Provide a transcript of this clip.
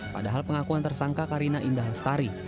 padahal pengakuan tersangka karina indah lestari